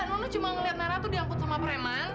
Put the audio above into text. nona cuma ngeliat nara tuh diangkut sama preman